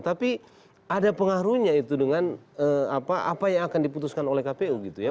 tapi ada pengaruhnya itu dengan apa yang akan diputuskan oleh kpu gitu ya